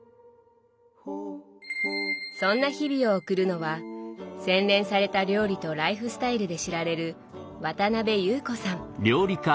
そんな日々を送るのは洗練された料理とライフスタイルで知られる渡辺有子さん。